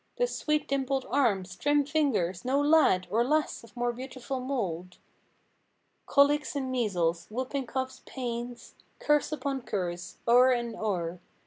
Those sweet dimpled arms! Trim fingers! No lad Or lass of more beautiful mold. Colics and measles—^whooping coughs, pains— Curse upon curse—o'er and o'er.